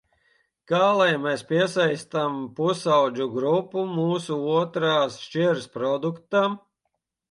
Kā lai mēs piesaistām pusaudžu grupu mūsu otrās šķiras produktam?